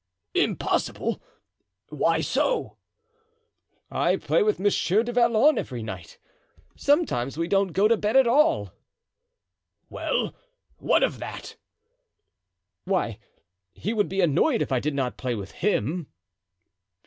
"Impossible! why so?" "I play with Monsieur du Vallon every night. Sometimes we don't go to bed at all!" "Well, what of that?" "Why, he would be annoyed if I did not play with him."